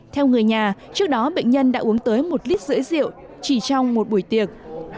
theo người nhà trước đó bệnh nhân đã uống tới một lít rưỡi rượu chỉ trong một buổi tiệc